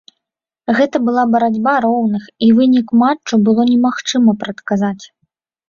Гэта была барацьба роўных і вынік матчу было немагчыма прадказаць.